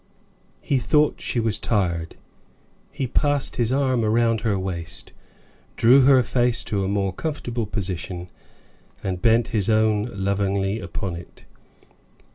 He thought she was tired. He passed his arm round her waist, drew her face to a more comfortable position, and bent his own lovingly upon it.